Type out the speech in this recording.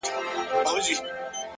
هره ورځ د نوې زده کړې امکان لري.!